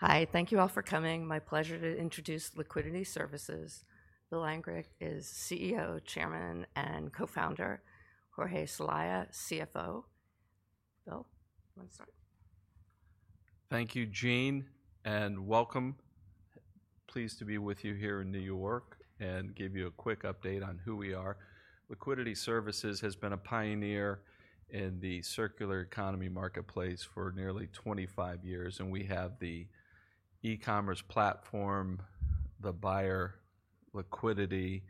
Hi, thank you all for coming. My pleasure to introduce Liquidity Services. Bill Angrick is CEO, Chairman, and Co-founder. Jorge Celaya, CFO. Bill, you want to start? Thank you, Jean, and welcome. Pleased to be with you here in New York and give you a quick update on who we are. Liquidity Services has been a pioneer in the circular economy marketplace for nearly 25 years, and we have the e-commerce platform, the buyer liquidity,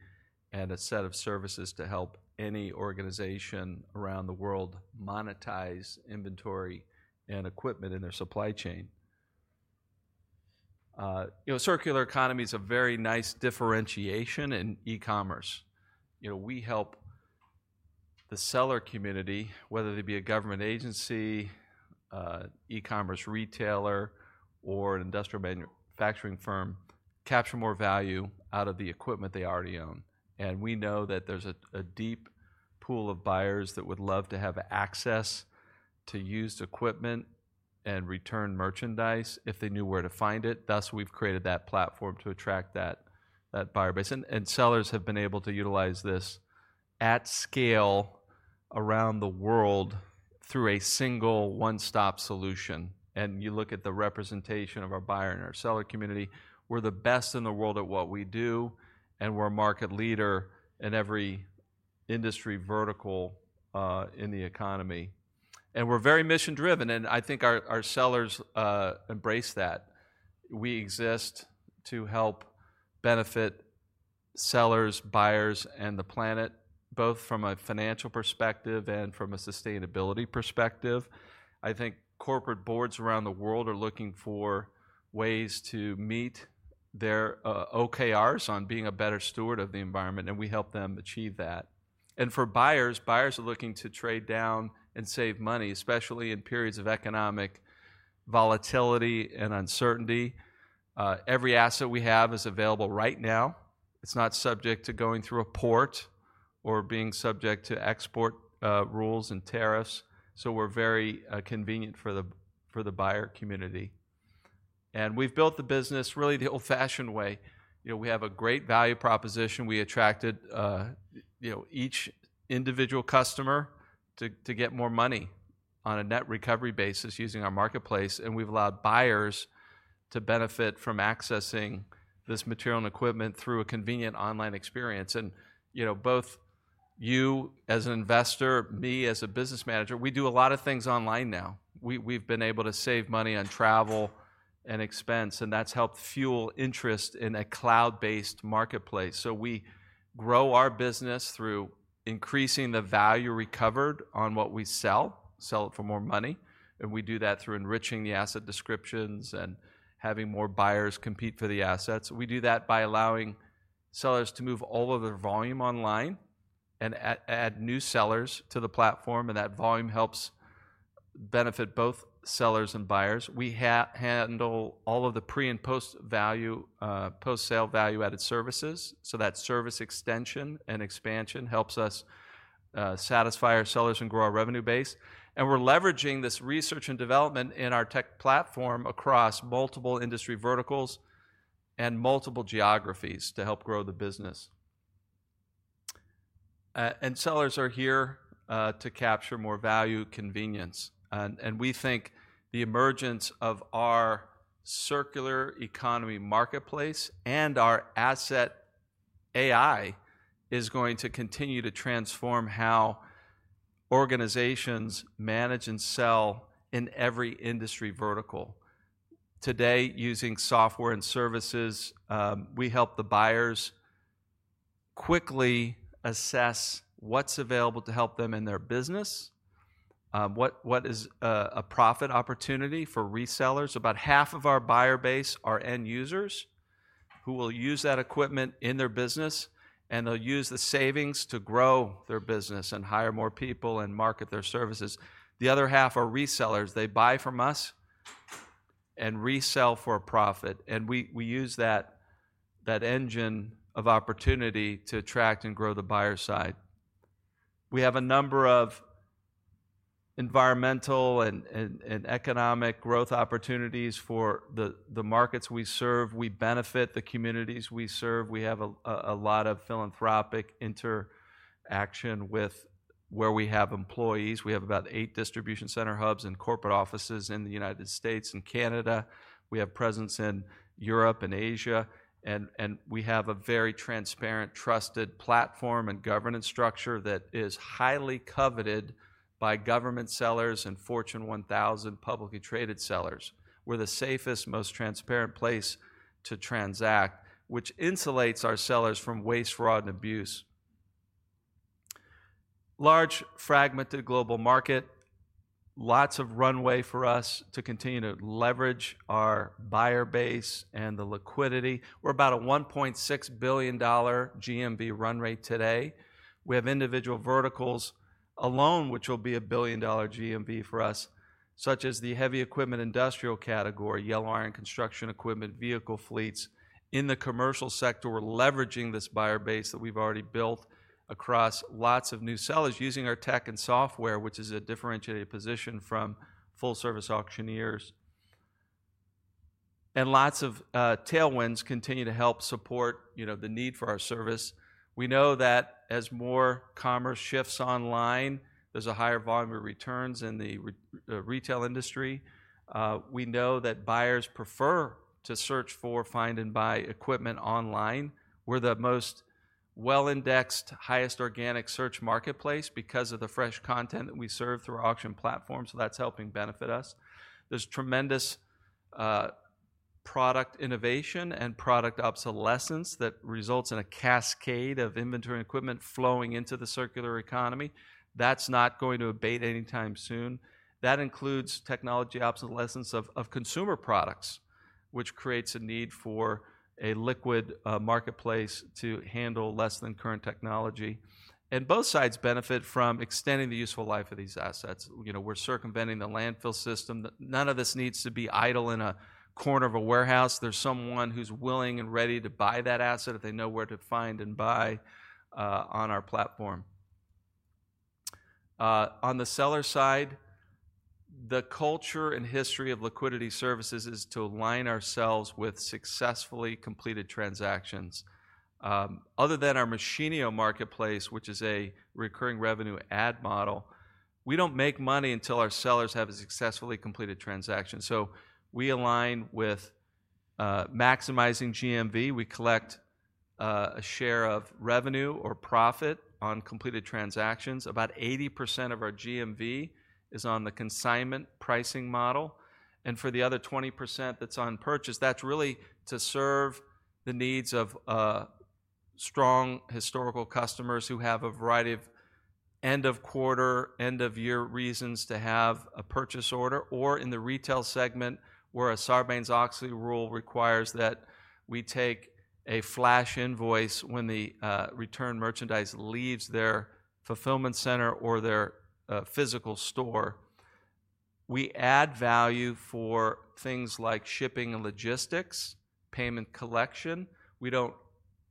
and a set of services to help any organization around the world monetize inventory and equipment in their supply chain. Circular economy is a very nice differentiation in e-commerce. We help the seller community, whether they be a government agency, e-commerce retailer, or an industrial manufacturing firm, capture more value out of the equipment they already own. We know that there is a deep pool of buyers that would love to have access to used equipment and return merchandise if they knew where to find it. Thus, we have created that platform to attract that buyer base. Sellers have been able to utilize this at scale around the world through a single one-stop solution. You look at the representation of our buyer and our seller community, we're the best in the world at what we do, and we're a market leader in every industry vertical in the economy. We're very mission-driven, and I think our sellers embrace that. We exist to help benefit sellers, buyers, and the planet, both from a financial perspective and from a sustainability perspective. I think corporate boards around the world are looking for ways to meet their OKRs on being a better steward of the environment, and we help them achieve that. For buyers, buyers are looking to trade down and save money, especially in periods of economic volatility and uncertainty. Every asset we have is available right now. It's not subject to going through a port or being subject to export rules and tariffs, so we're very convenient for the buyer community. We've built the business really the old-fashioned way. We have a great value proposition. We attracted each individual customer to get more money on a net recovery basis using our marketplace, and we've allowed buyers to benefit from accessing this material and equipment through a convenient online experience. Both you as an investor, me as a business manager, we do a lot of things online now. We've been able to save money on travel and expense, and that's helped fuel interest in a cloud-based marketplace. We grow our business through increasing the value recovered on what we sell, sell it for more money, and we do that through enriching the asset descriptions and having more buyers compete for the assets. We do that by allowing sellers to move all of their volume online and add new sellers to the platform, and that volume helps benefit both sellers and buyers. We handle all of the pre and post-value added services, so that service extension and expansion helps us satisfy our sellers and grow our revenue base. We are leveraging this research and development in our tech platform across multiple industry verticals and multiple geographies to help grow the business. Sellers are here to capture more value, convenience. We think the emergence of our circular economy marketplace and our Asset AI is going to continue to transform how organizations manage and sell in every industry vertical. Today, using software and services, we help the buyers quickly assess what's available to help them in their business, what is a profit opportunity for resellers. About half of our buyer base are end users who will use that equipment in their business, and they'll use the savings to grow their business and hire more people and market their services. The other half are resellers. They buy from us and resell for a profit. We use that engine of opportunity to attract and grow the buyer side. We have a number of environmental and economic growth opportunities for the markets we serve. We benefit the communities we serve. We have a lot of philanthropic interaction with where we have employees. We have about eight distribution center hubs and corporate offices in the United States and Canada. We have presence in Europe and Asia. We have a very transparent, trusted platform and governance structure that is highly coveted by government sellers and Fortune 1000 publicly traded sellers. We're the safest, most transparent place to transact, which insulates our sellers from waste, fraud, and abuse. Large fragmented global market, lots of runway for us to continue to leverage our buyer base and the liquidity. We're about a $1.6 billion GMV run rate today. We have individual verticals alone, which will be a billion dollar GMV for us, such as the heavy equipment industrial category, yellow iron construction equipment, vehicle fleets. In the commercial sector, we're leveraging this buyer base that we've already built across lots of new sellers using our tech and software, which is a differentiated position from full-service auctioneers. Lots of tailwinds continue to help support the need for our service. We know that as more commerce shifts online, there's a higher volume of returns in the retail industry. We know that buyers prefer to search for, find, and buy equipment online. We're the most well-indexed, highest organic search marketplace because of the fresh content that we serve through our auction platform, so that's helping benefit us. There's tremendous product innovation and product obsolescence that results in a cascade of inventory and equipment flowing into the circular economy. That's not going to abate anytime soon. That includes technology obsolescence of consumer products, which creates a need for a liquid marketplace to handle less than current technology. And both sides benefit from extending the useful life of these assets. We're circumventing the landfill system. None of this needs to be idle in a corner of a warehouse. There's someone who's willing and ready to buy that asset if they know where to find and buy on our platform. On the seller side, the culture and history of Liquidity Services is to align ourselves with successfully completed transactions. Other than our machine marketplace, which is a recurring revenue ad model, we do not make money until our sellers have successfully completed transactions. We align with maximizing GMV. We collect a share of revenue or profit on completed transactions. About 80% of our GMV is on the consignment pricing model. For the other 20% that is on purchase, that is really to serve the needs of strong historical customers who have a variety of end-of-quarter, end-of-year reasons to have a purchase order. In the retail segment, where a Sarbanes-Oxley rule requires that we take a flash invoice when the returned merchandise leaves their fulfillment center or their physical store, we add value for things like shipping and logistics, payment collection. We do not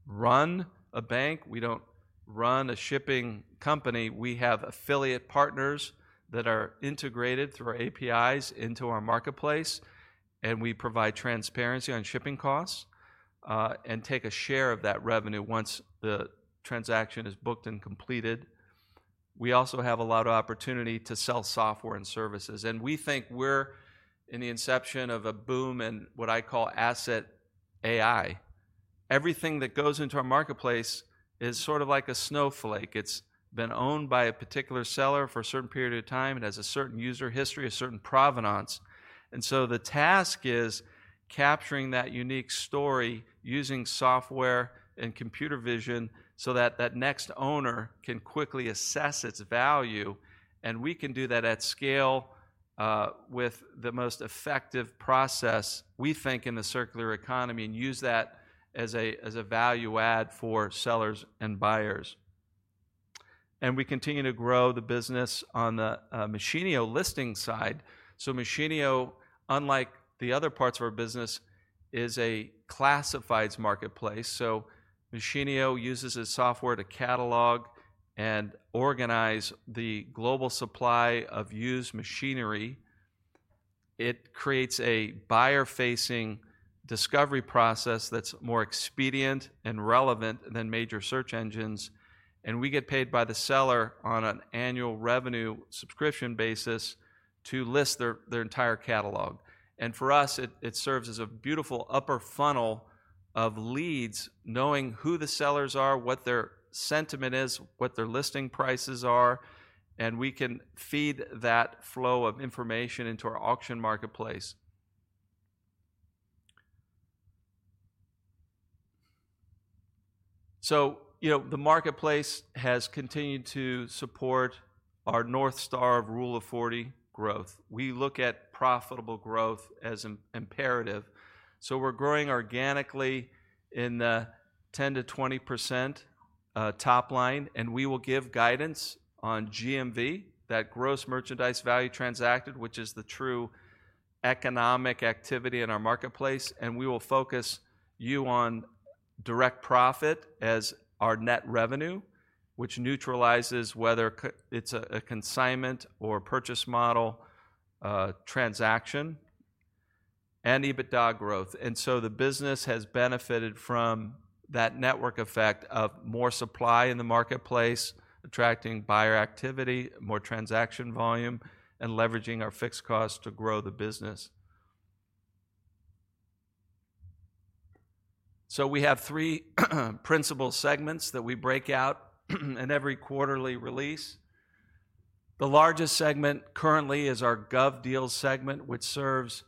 run a bank. We do not run a shipping company. We have affiliate partners that are integrated through our APIs into our marketplace, and we provide transparency on shipping costs and take a share of that revenue once the transaction is booked and completed. We also have a lot of opportunity to sell software and services. We think we're in the inception of a boom in what I call asset AI. Everything that goes into our marketplace is sort of like a snowflake. It's been owned by a particular seller for a certain period of time and has a certain user history, a certain provenance. The task is capturing that unique story using software and computer vision so that that next owner can quickly assess its value. We can do that at scale with the most effective process, we think, in the circular economy and use that as a value add for sellers and buyers. We continue to grow the business on the Machinio listing side. Machinio, unlike the other parts of our business, is a classifieds marketplace. Machinio uses software to catalog and organize the global supply of used machinery. It creates a buyer-facing discovery process that is more expedient and relevant than major search engines. We get paid by the seller on an annual revenue subscription basis to list their entire catalog. For us, it serves as a beautiful upper funnel of leads, knowing who the sellers are, what their sentiment is, what their listing prices are, and we can feed that flow of information into our auction marketplace. The marketplace has continued to support our North Star of Rule of 40 growth. We look at profitable growth as imperative. We're growing organically in the 10%-20% top line, and we will give guidance on GMV, that gross merchandise value transacted, which is the true economic activity in our marketplace. We will focus you on direct profit as our net revenue, which neutralizes whether it's a consignment or purchase model transaction and even dog growth. The business has benefited from that network effect of more supply in the marketplace, attracting buyer activity, more transaction volume, and leveraging our fixed costs to grow the business. We have three principal segments that we break out in every quarterly release. The largest segment currently is our GovDeals segment, which serves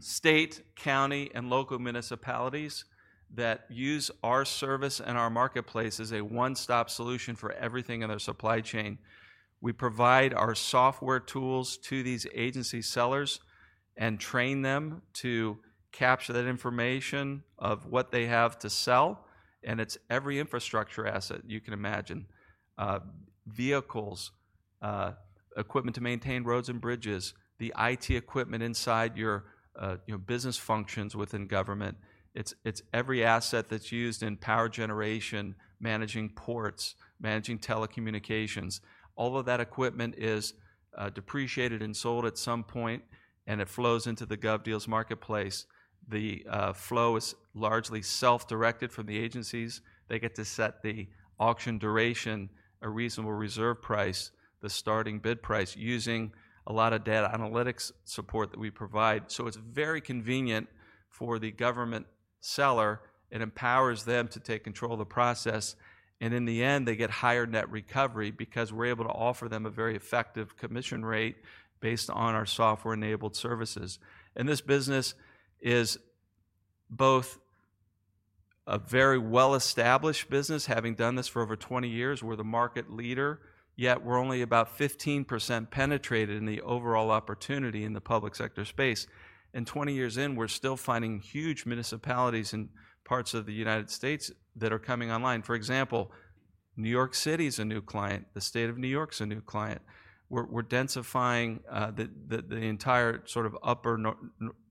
state, county, and local municipalities that use our service and our marketplace as a one-stop solution for everything in their supply chain. We provide our software tools to these agency sellers and train them to capture that information of what they have to sell. It's every infrastructure asset you can imagine: vehicles, equipment to maintain roads and bridges, the IT equipment inside your business functions within government. It's every asset that's used in power generation, managing ports, managing telecommunications. All of that equipment is depreciated and sold at some point, and it flows into the GovDeals marketplace. The flow is largely self-directed from the agencies. They get to set the auction duration, a reasonable reserve price, the starting bid price using a lot of data analytics support that we provide. It is very convenient for the government seller. It empowers them to take control of the process. In the end, they get higher net recovery because we're able to offer them a very effective commission rate based on our software-enabled services. This business is both a very well-established business, having done this for over 20 years. We're the market leader, yet we're only about 15% penetrated in the overall opportunity in the public sector space. Twenty years in, we're still finding huge municipalities in parts of the United States that are coming online. For example, New York City is a new client. The state of New York is a new client. We're densifying the entire sort of upper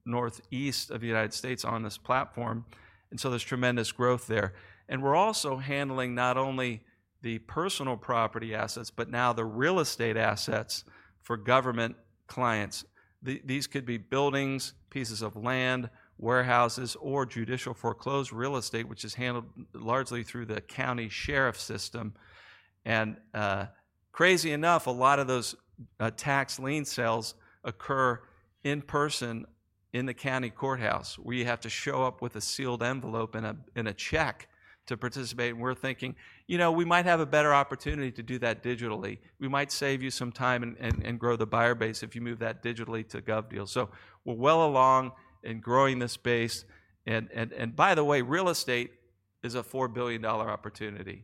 northeast of the United States on this platform. There's tremendous growth there. We're also handling not only the personal property assets, but now the real estate assets for government clients. These could be buildings, pieces of land, warehouses, or judicial foreclosed real estate, which is handled largely through the county sheriff system. Crazy enough, a lot of those tax lien sales occur in person in the county courthouse. We have to show up with a sealed envelope and a check to participate. We are thinking, "We might have a better opportunity to do that digitally. We might save you some time and grow the buyer base if you move that digitally to GovDeals." We are well along in growing this base. By the way, real estate is a $4 billion opportunity.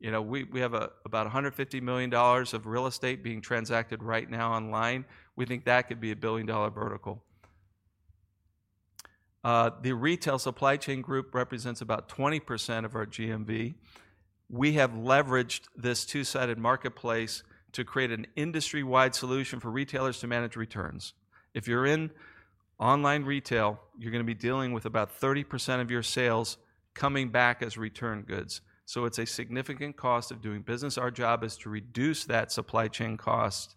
We have about $150 million of real estate being transacted right now online. We think that could be a billion-dollar vertical. The retail supply chain group represents about 20% of our GMV. We have leveraged this two-sided marketplace to create an industry-wide solution for retailers to manage returns. If you're in online retail, you're going to be dealing with about 30% of your sales coming back as return goods. It is a significant cost of doing business. Our job is to reduce that supply chain cost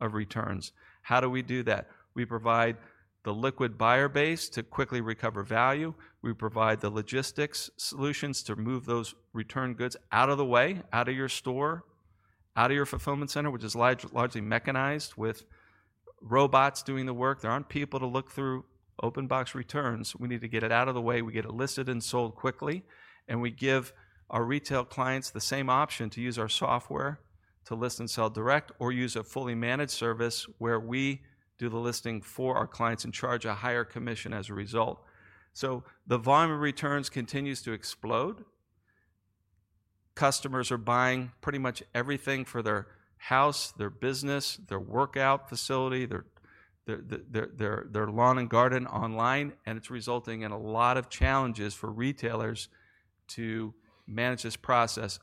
of returns. How do we do that? We provide the liquid buyer base to quickly recover value. We provide the logistics solutions to move those return goods out of the way, out of your store, out of your fulfillment center, which is largely mechanized with robots doing the work. There aren't people to look through open box returns. We need to get it out of the way. We get it listed and sold quickly. We give our retail clients the same option to use our software to list and sell direct or use a fully managed service where we do the listing for our clients and charge a higher commission as a result. The volume of returns continues to explode. Customers are buying pretty much everything for their house, their business, their workout facility, their lawn and garden online. It is resulting in a lot of challenges for retailers to manage this process.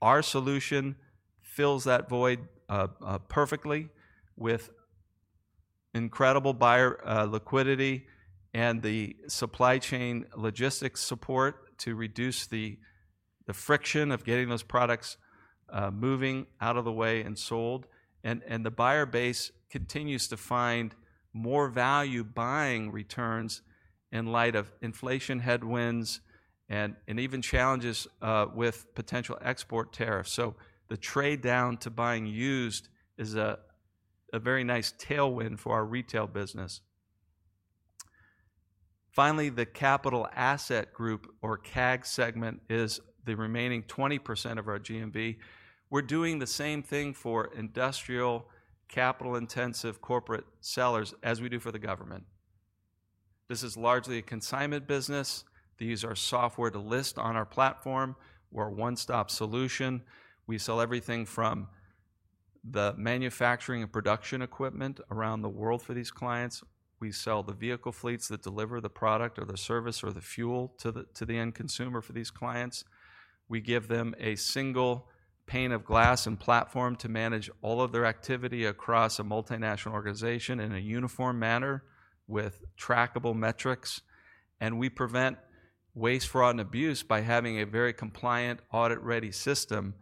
Our solution fills that void perfectly with incredible buyer liquidity and the supply chain logistics support to reduce the friction of getting those products moving out of the way and sold. The buyer base continues to find more value buying returns in light of inflation headwinds and even challenges with potential export tariffs. The trade down to buying used is a very nice tailwind for our retail business. Finally, the capital asset group or CAG segment is the remaining 20% of our GMV. We're doing the same thing for industrial, capital-intensive corporate sellers as we do for the government. This is largely a consignment business. They use our software to list on our platform. We're a one-stop solution. We sell everything from the manufacturing and production equipment around the world for these clients. We sell the vehicle fleets that deliver the product or the service or the fuel to the end consumer for these clients. We give them a single pane of glass and platform to manage all of their activity across a multinational organization in a uniform manner with trackable metrics. We prevent waste, fraud, and abuse by having a very compliant, audit-ready system.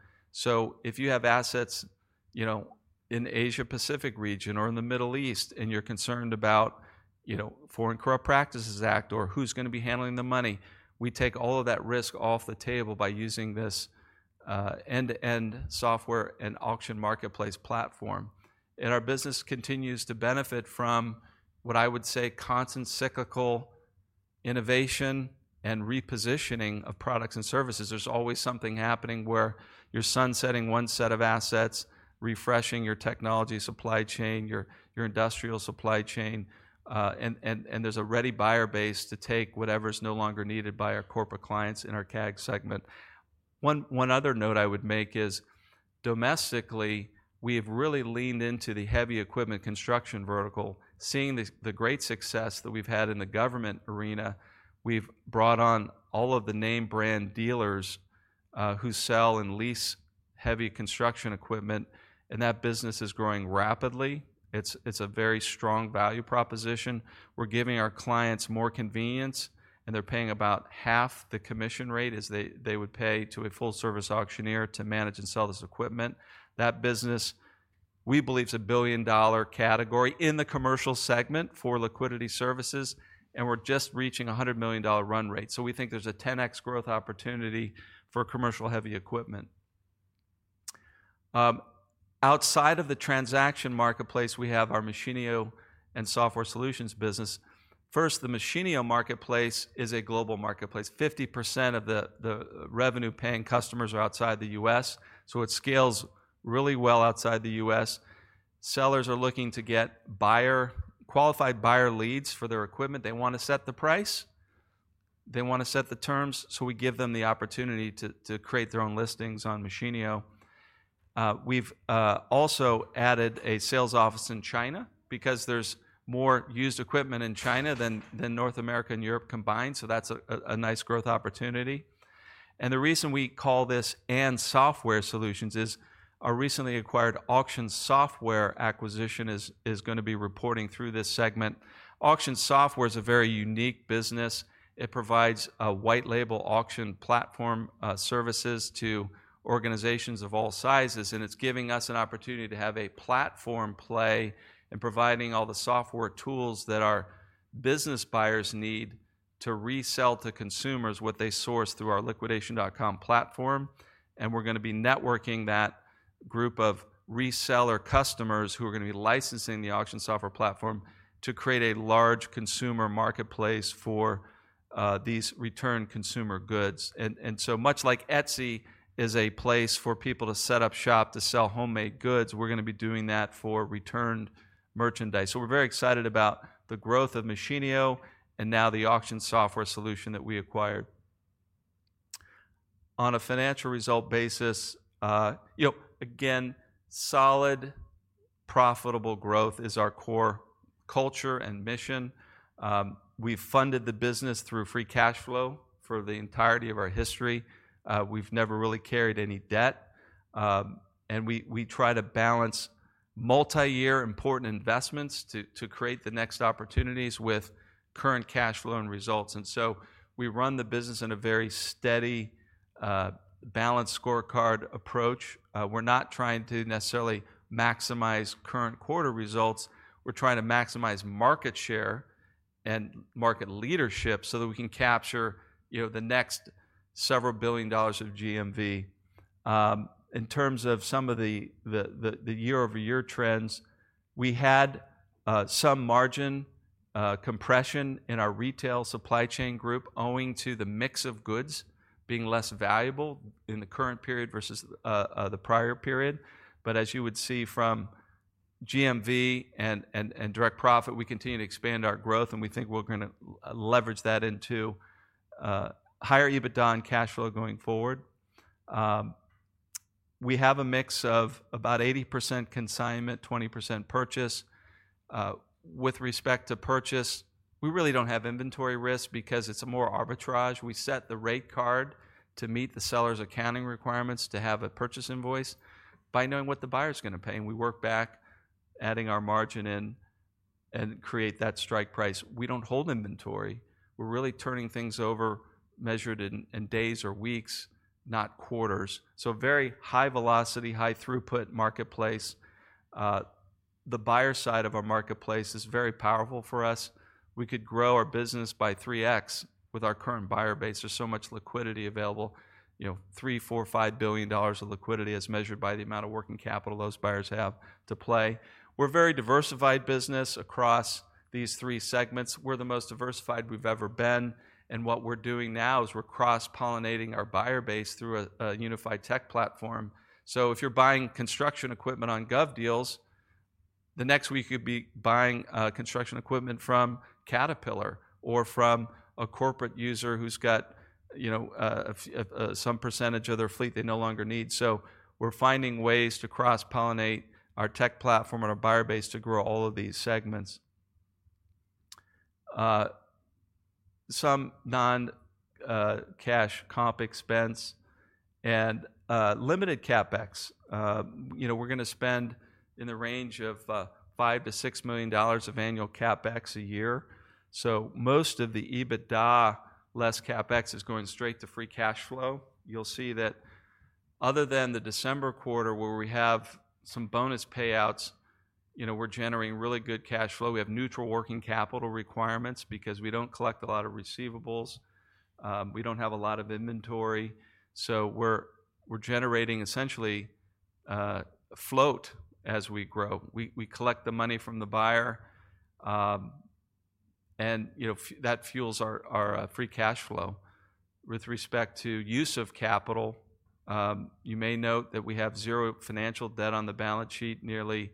If you have assets in the Asia-Pacific region or in the Middle East and you're concerned about Foreign Corrupt Practices Act or who's going to be handling the money, we take all of that risk off the table by using this end-to-end software and auction marketplace platform. Our business continues to benefit from what I would say constant cyclical innovation and repositioning of products and services. There's always something happening where you're sunsetting one set of assets, refreshing your technology supply chain, your industrial supply chain, and there's a ready buyer base to take whatever is no longer needed by our corporate clients in our CAG segment. One other note I would make is domestically, we have really leaned into the heavy equipment construction vertical, seeing the great success that we've had in the government arena. We've brought on all of the name brand dealers who sell and lease heavy construction equipment, and that business is growing rapidly. It's a very strong value proposition. We're giving our clients more convenience, and they're paying about half the commission rate as they would pay to a full-service auctioneer to manage and sell this equipment. That business, we believe, is a billion-dollar category in the commercial segment for Liquidity Services, and we're just reaching a $100 million run rate. We think there's a 10x growth opportunity for commercial heavy equipment. Outside of the transaction marketplace, we have our Machinio software solutions business. First, the Machinio marketplace is a global marketplace. 50% of the revenue-paying customers are outside the U.S., so it scales really well outside the U.S. Sellers are looking to get qualified buyer leads for their equipment. They want to set the price. They want to set the terms. We give them the opportunity to create their own listings on Machinio. We've also added a sales office in China because there's more used equipment in China than North America and Europe combined. That's a nice growth opportunity. The reason we call this and software solutions is our recently acquired Auction Software acquisition is going to be reporting through this segment. Auction Software is a very unique business. It provides a white-label auction platform services to organizations of all sizes, and it's giving us an opportunity to have a platform play in providing all the software tools that our business buyers need to resell to consumers what they source through our Liquidation.com platform. We're going to be networking that group of reseller customers who are going to be licensing the Auction Software platform to create a large consumer marketplace for these returned consumer goods. Much like Etsy is a place for people to set up shop to sell homemade goods, we're going to be doing that for returned merchandise. We're very excited about the growth of Machinio and now the Auction Software solution that we acquired. On a financial result basis, again, solid, profitable growth is our core culture and mission. We've funded the business through free cash flow for the entirety of our history. We've never really carried any debt. We try to balance multi-year important investments to create the next opportunities with current cash flow and results. We run the business in a very steady, balanced scorecard approach. We're not trying to necessarily maximize current quarter results. We're trying to maximize market share and market leadership so that we can capture the next several billion dollars of GMV. In terms of some of the year-over-year trends, we had some margin compression in our retail supply chain group owing to the mix of goods being less valuable in the current period versus the prior period. As you would see from GMV and direct profit, we continue to expand our growth, and we think we're going to leverage that into higher EBITDA and cash flow going forward. We have a mix of about 80% consignment, 20% purchase. With respect to purchase, we really do not have inventory risk because it's more arbitrage. We set the rate card to meet the seller's accounting requirements to have a purchase invoice by knowing what the buyer is going to pay. We work back, adding our margin in, and create that strike price. We do not hold inventory. We are really turning things over measured in days or weeks, not quarters. Very high velocity, high throughput marketplace. The buyer side of our marketplace is very powerful for us. We could grow our business by 3x with our current buyer base. There is so much liquidity available. $3 billion-$5 billion of liquidity is measured by the amount of working capital those buyers have to play. We are a very diversified business across these three segments. We are the most diversified we have ever been. What we are doing now is cross-pollinating our buyer base through a unified tech platform. If you're buying construction equipment on GovDeals, the next week you'd be buying construction equipment from Caterpillar or from a corporate user who's got some % of their fleet they no longer need. We're finding ways to cross-pollinate our tech platform and our buyer base to grow all of these segments. Some non-cash comp expense and limited CapEx. We're going to spend in the range of $5 million-$6 million of annual CapEx a year. Most of the EBITDA less CapEx is going straight to free cash flow. You'll see that other than the December quarter where we have some bonus payouts, we're generating really good cash flow. We have neutral working capital requirements because we don't collect a lot of receivables. We don't have a lot of inventory. We're generating essentially a float as we grow. We collect the money from the buyer, and that fuels our free cash flow. With respect to use of capital, you may note that we have zero financial debt on the balance sheet, nearly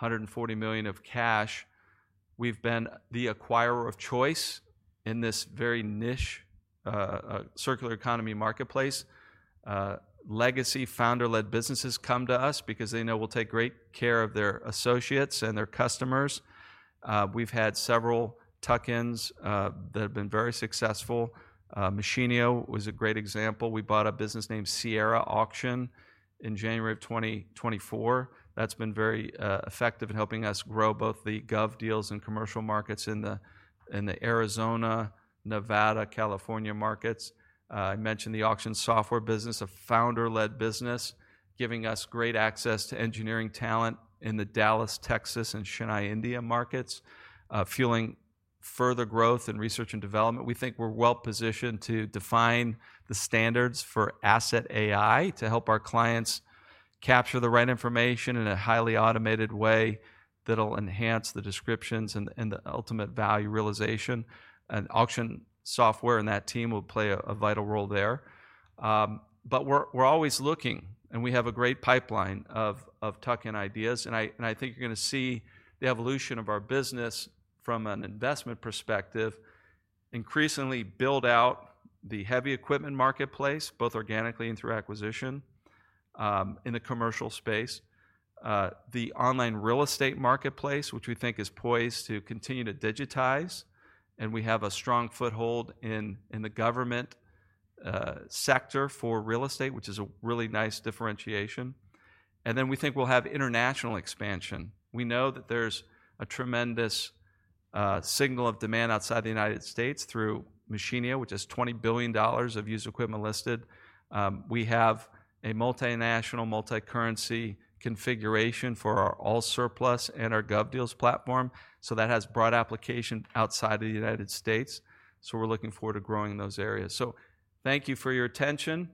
$140 million of cash. We've been the acquirer of choice in this very niche circular economy marketplace. Legacy founder-led businesses come to us because they know we'll take great care of their associates and their customers. We've had several tuck-ins that have been very successful. Machinio was a great example. We bought a business named Sierra Auction in January of 2024. That's been very effective in helping us grow both the GovDeals and commercial markets in the Arizona, Nevada, California markets. I mentioned the Auction Software business, a founder-led business, giving us great access to engineering talent in the Dallas, Texas, and Chennai, India markets, fueling further growth and research and development. We think we're well positioned to define the standards for Asset AI to help our clients capture the right information in a highly automated way that'll enhance the descriptions and the ultimate value realization. Auction Software and that team will play a vital role there. We're always looking, and we have a great pipeline of tuck-in ideas. I think you're going to see the evolution of our business from an investment perspective increasingly build out the heavy equipment marketplace, both organically and through acquisition in the commercial space, the online real estate marketplace, which we think is poised to continue to digitize. We have a strong foothold in the government sector for real estate, which is a really nice differentiation. We think we'll have international expansion. We know that there's a tremendous signal of demand outside the U.S. through Machinio, which is $20 billion of used equipment listed. We have a multinational, multi-currency configuration for our AllSurplus and our GovDeals platform. That has broad application outside of the U.S. We are looking forward to growing in those areas. Thank you for your attention.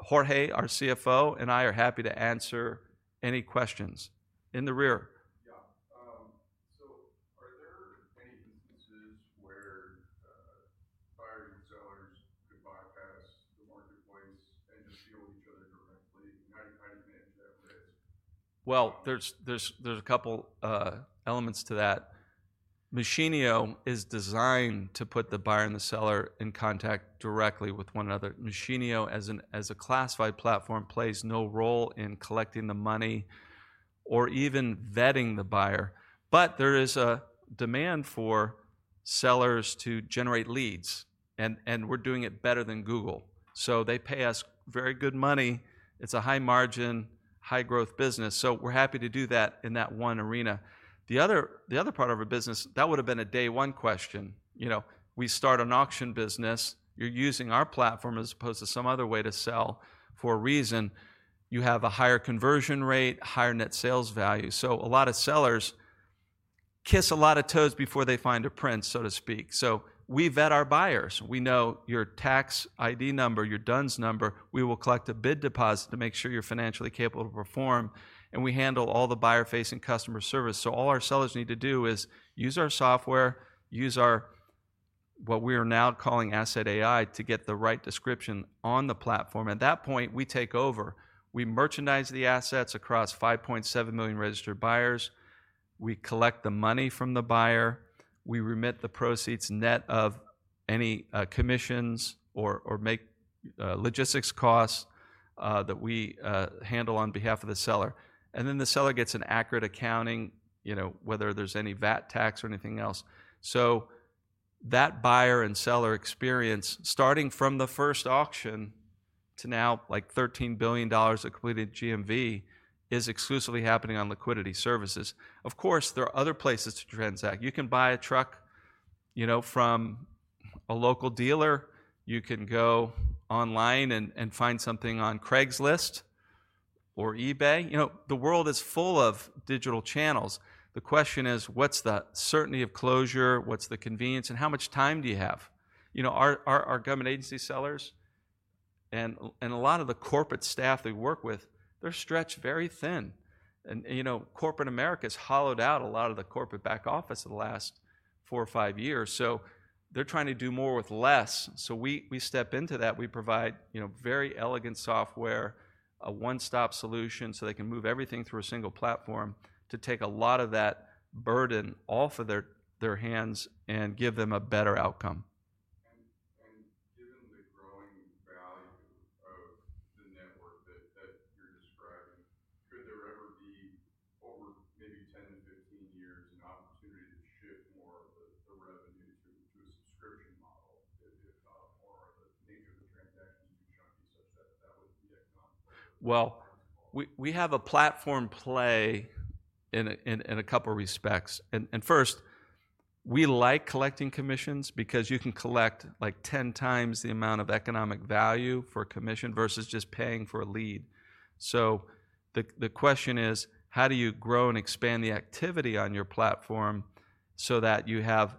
Jorge, our CFO, and I are happy to answer any questions in the rear. Yeah. Are there any instances where buyers and sellers could bypass the marketplace and just deal with each other directly? How do you manage that risk? There are a couple of elements to that. Machinio is designed to put the buyer and the seller in contact directly with one another. Machinio, as a classified platform, plays no role in collecting the money or even vetting the buyer. There is a demand for sellers to generate leads, and we're doing it better than Google. They pay us very good money. It's a high-margin, high-growth business. We're happy to do that in that one arena. The other part of our business, that would have been a day-one question. We start an auction business. You're using our platform as opposed to some other way to sell for a reason. You have a higher conversion rate, higher net sales value. A lot of sellers kiss a lot of toes before they find a prince, so to speak. We vet our buyers. We know your tax ID number, your DUNS number. We will collect a bid deposit to make sure you're financially capable to perform. We handle all the buyer-facing customer service. All our sellers need to do is use our software, use what we are now calling Asset AI to get the right description on the platform. At that point, we take over. We merchandise the assets across 5.7 million registered buyers. We collect the money from the buyer. We remit the proceeds net of any commissions or logistics costs that we handle on behalf of the seller. The seller gets an accurate accounting, whether there's any VAT tax or anything else. That buyer and seller experience, starting from the first auction to now like $13 billion of completed GMV, is exclusively happening on Liquidity Services. Of course, there are other places to transact. You can buy a truck from a local dealer. You can go online and find something on Craigslist or eBay. The world is full of digital channels. The question is, what's the certainty of closure? What's the convenience? And how much time do you have? Our government agency sellers and a lot of the corporate staff they work with, they're stretched very thin. Corporate America has hollowed out a lot of the corporate back office in the last four or five years. They're trying to do more with less. We step into that. We provide very elegant software, a one-stop solution so they can move everything through a single platform to take a lot of that burden off of their hands and give them a better outcome. Given the growing value of the network that you're describing, could there ever be over maybe 10-15 years an opportunity to shift more of the revenue to a subscription model? Is it about more of the nature of the transactions to be chunky such that that would be economically? We have a platform play in a couple of respects. First, we like collecting commissions because you can collect like 10x the amount of economic value for a commission versus just paying for a lead. The question is, how do you grow and expand the activity on your platform so that you have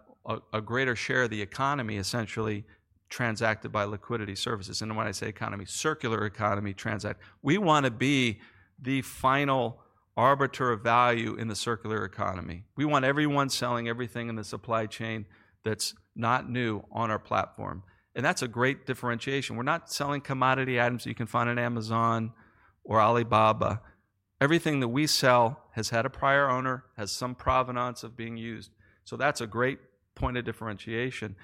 a greater share of the economy essentially transacted by Liquidity Services? When I say economy, circular economy transact. We want to be the final arbiter of value in the circular economy. We want everyone selling everything in the supply chain that's not new on our platform. That's a great differentiation. We're not selling commodity items you can find on Amazon or Alibaba. Everything that we sell has had a prior owner, has some provenance of being used. That is a great point of differentiation.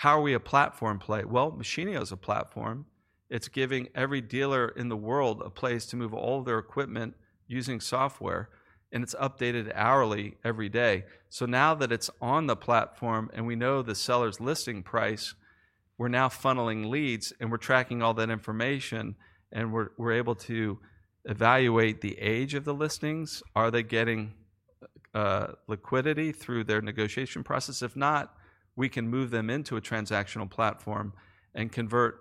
How are we a platform play? Machinio is a platform. It is giving every dealer in the world a place to move all of their equipment using software, and it is updated hourly every day. Now that it is on the platform and we know the seller's listing price, we are funneling leads and tracking all that information. We are able to evaluate the age of the listings. Are they getting liquidity through their negotiation process? If not, we can move them into a transactional platform and convert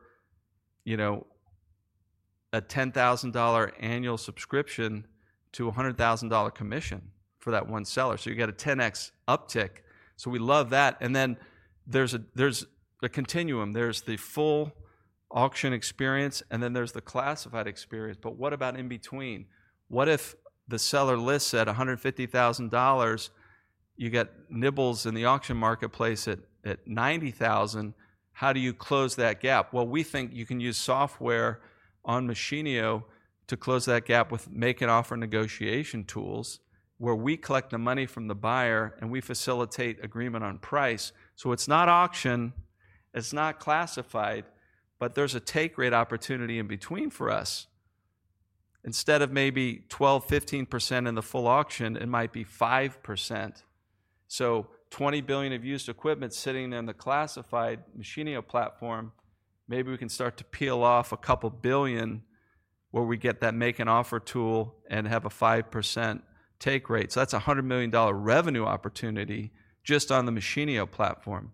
a $10,000 annual subscription to a $100,000 commission for that one seller. You get a 10x uptick. We love that. There is a continuum. There is the full auction experience, and then there is the classified experience. What about in between? What if the seller lists at $150,000? You get nibbles in the auction marketplace at $90,000. How do you close that gap? You can use software on Machinio to close that gap with make-and-offer negotiation tools where we collect the money from the buyer and we facilitate agreement on price. It is not auction, it is not classified, but there is a take-rate opportunity in between for us. Instead of maybe 12%-15% in the full auction, it might be 5%. $20 billion of used equipment sitting in the classified Machinio platform, maybe we can start to peel off a couple billion where we get that make-and-offer tool and have a 5% take rate. That is a $100 million revenue opportunity just on the Machinio platform.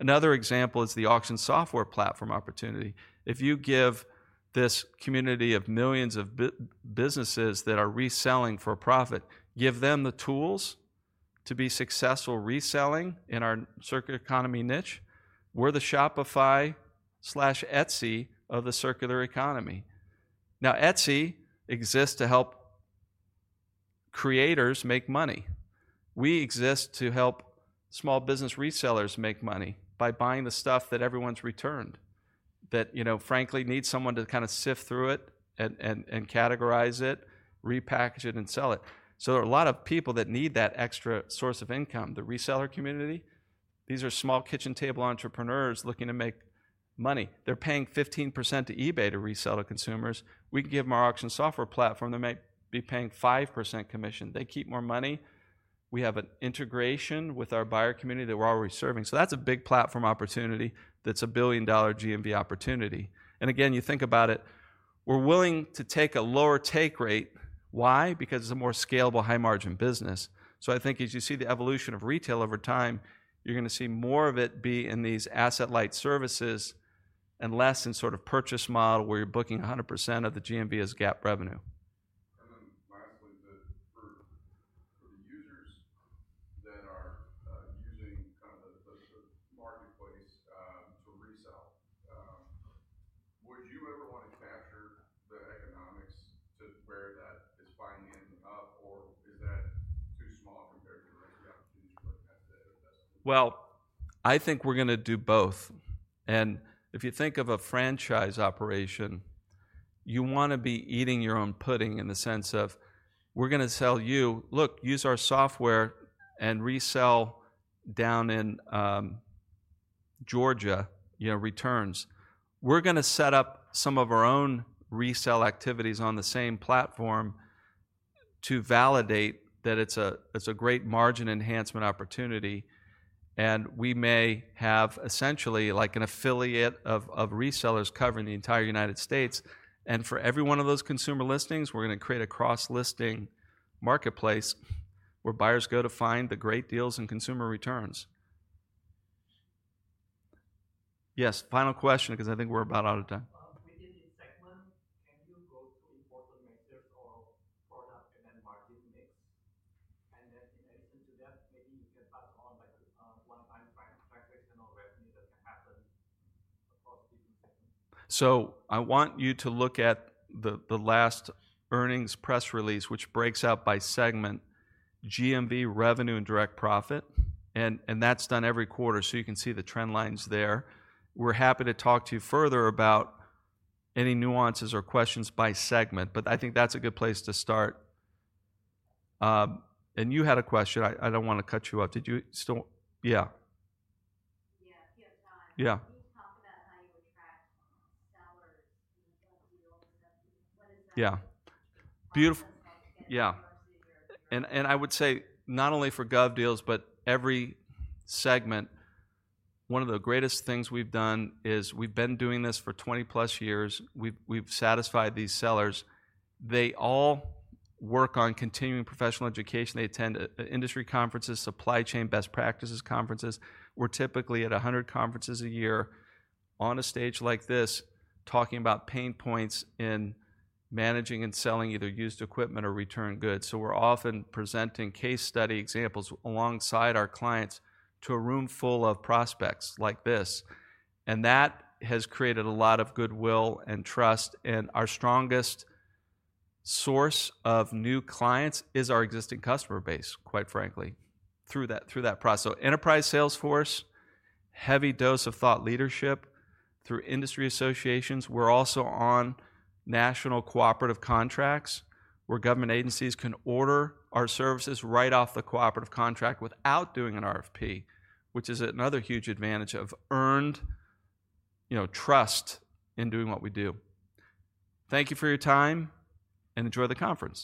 Another example is the Auction Software platform opportunity. If you give this community of millions of businesses that are reselling for profit, give them the tools to be successful reselling in our circular economy niche. We're the Shopify slash Etsy of the circular economy. Now, Etsy exists to help creators make money. We exist to help small business resellers make money by buying the stuff that everyone's returned that, frankly, needs someone to kind of sift through it and categorize it, repackage it, and sell it. There are a lot of people that need that extra source of income, the reseller community. These are small kitchen table entrepreneurs looking to make money. They're paying 15% to eBay to resell to consumers. We can give them our auction software platform. They might be paying 5% commission. They keep more money. We have an integration with our buyer community that we're already serving. That's a big platform opportunity. That's a billion-dollar GMV opportunity. Again, you think about it, we're willing to take a lower take rate. Why? Because it's a more scalable, high-margin business. I think as you see the evolution of retail over time, you're going to see more of it be in these asset-light services and less in sort of purchase model where you're booking 100% of the GMV as GAAP revenue. Lastly, for the users that are using kind of the marketplace to resell, would you ever want to capture the economics to where that is finally ending up, or is that too small compared to the opportunities you're looking at today? I think we're going to do both. If you think of a franchise operation, you want to be eating your own pudding in the sense of, we're going to sell you, look, use our software and resell down in Georgia returns. We're going to set up some of our own resell activities on the same platform to validate that it's a great margin enhancement opportunity. We may have essentially like an affiliate of resellers covering the entire United States. For every one of those consumer listings, we're going to create a cross-listing marketplace where buyers go to find the great deals and consumer returns. Yes. Final question because I think we're about out of time. We did the second one. Can you go through important metrics or product and then market mix? In addition to that, maybe you can touch on one-time transactional revenue that can happen across different segments. I want you to look at the last earnings press release, which breaks out by segment, GMV, revenue, and direct profit. That's done every quarter. You can see the trend lines there. We're happy to talk to you further about any nuances or questions by segment, but I think that's a good place to start. You had a question. I don't want to cut you off. Did you still? Yeah. Yeah. If you have time, can you talk about how you attract sellers to GovDeals? What is that? Yeah. Beautiful. I would say not only for GovDeals, but every segment, one of the greatest things we've done is we've been doing this for 20 years. We've satisfied these sellers. They all work on continuing professional education. They attend industry conferences, supply chain best practices conferences. We're typically at 100 conferences a year on a stage like this talking about pain points in managing and selling either used equipment or return goods. We're often presenting case study examples alongside our clients to a room full of prospects like this. That has created a lot of goodwill and trust. Our strongest source of new clients is our existing customer base, quite frankly, through that process. Enterprise salesforce, heavy dose of thought leadership through industry associations. We're also on national cooperative contracts where government agencies can order our services right off the cooperative contract without doing an RFP, which is another huge advantage of earned trust in doing what we do. Thank you for your time and enjoy the conference.